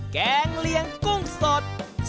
แกงเลียงกุ้งสด